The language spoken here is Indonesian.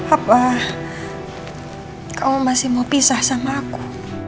apa kau masih mau pisah sama aku